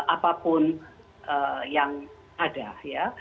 apapun yang ada ya